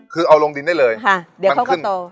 คือเอาลงดินได้เลยค่ะเดี๋ยวเขาก็โตมันขึ้น